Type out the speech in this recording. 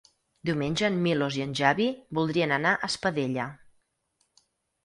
Diumenge en Milos i en Xavi voldrien anar a Espadella.